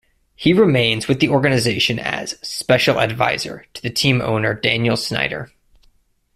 He remains with the organization as "Special Advisor" to the team owner Daniel Snyder.